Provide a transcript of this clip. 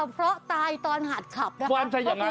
เพราะตายตอนหาดขับนะคะ